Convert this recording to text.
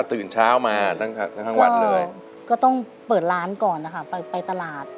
ตื่นเช้ามาทั้งวันเลยก็ต้องเปิดร้านก่อนนะคะไปตลาด